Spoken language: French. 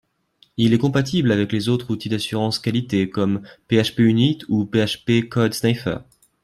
Il est compatible avec les autres outils d'assurance qualité comme PHPUnit ou PHP CodeSniffer